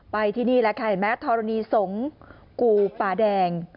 ที่นี่แหละค่ะเห็นไหมธรณีสงฆ์กู่ป่าแดง